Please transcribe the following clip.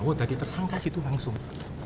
wah tadi tersangka situ langsung